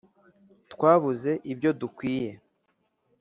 Twabuze ibyo dukwiye